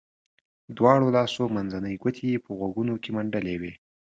دواړو لاسو منځنۍ ګوتې یې په غوږونو کې منډلې وې.